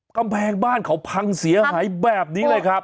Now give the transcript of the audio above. กำแพงบ้านเขาพังเสียหายแบบนี้เลยครับ